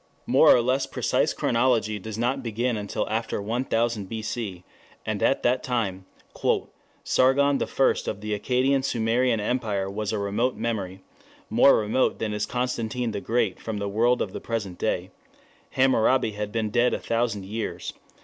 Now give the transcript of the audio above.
More or less precise chronology does not begin until after 1000 B.C., and at that time "Sargon I of the Akkadian Sumerian Empire was a remote memory,... more remote than is Constantine the Great from the world of the present day.... Hammurabi had been dead a thousand years...